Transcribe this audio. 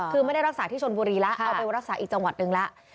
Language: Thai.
คือไม่ได้รักษาที่ชนบุรีแล้วเอาไปรักษาอีกจังหวัดหนึ่งแล้ว